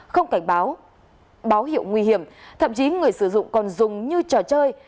không cảnh báo báo hiệu nguy hiểm thậm chí người sử dụng còn dùng như trò chơi